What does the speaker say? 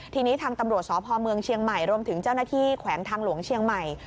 ทีนี้ทางตำรวจสพเมืองเชียงใหม่รวมถึงเจ้าหน้าที่แขวงทางหลวงเชียงใหม่